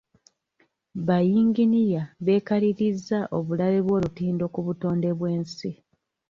Ba yinginiya beekalirizza obulabe bw'olutindo ku butonde bw'ensi.